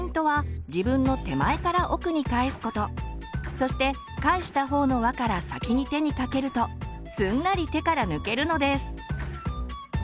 そして返したほうの輪から先に手にかけるとすんなり手から抜けるのです。